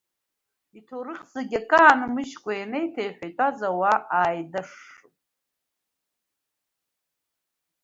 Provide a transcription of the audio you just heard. Иҭоурых зегьы акы аанмыжькәа ианеиҭеиҳәа, итәаз ауаа ааидашшылт.